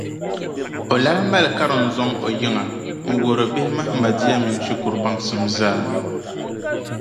O lahi mali karimzɔŋ o yiŋa n-wuhiri bihi Mahamadiya mini shikuru baŋsim zaa.